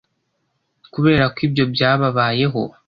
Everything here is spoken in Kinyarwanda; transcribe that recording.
kubera ko ibyo byababayeho.